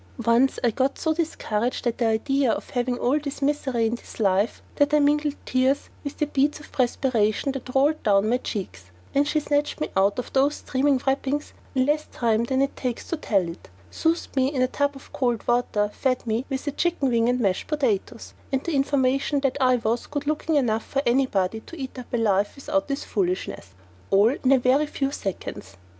Once I got so discouraged at the idea of having all this misery in this life that I mingled tears with the beads of perspiration that rolled down my cheeks, and she snatched me out of those steaming wrappings in less time than it takes to tell it, soused me in a tub of cold water, fed me with a chicken wing and mashed potatoes, and the information that I was "good looking enough for anybody to eat up alive without all this foolishness," all in a very few seconds.